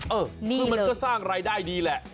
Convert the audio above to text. คือมันก็สร้างรายได้ดีแหละ